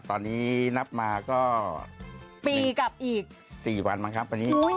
ตอนนี้นับมาก็๔วันบางครับ